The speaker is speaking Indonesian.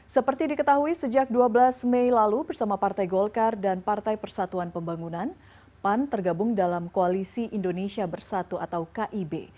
seperti diketahui sejak dua belas mei lalu bersama partai golkar dan partai persatuan pembangunan pan tergabung dalam koalisi indonesia bersatu atau kib